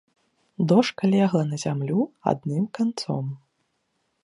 Дошка легла на зямлю адным канцом.